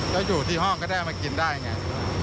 แล้วอยู่ที่ห้องก็ได้เอามากินได้ไง